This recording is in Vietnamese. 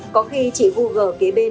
có khi chỉ google kế bếp